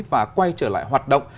và quay trở lại hoạt động